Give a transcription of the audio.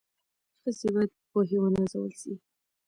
ښځي بايد په پوهي و نازول سي